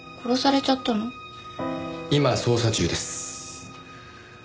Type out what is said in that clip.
今捜査中です。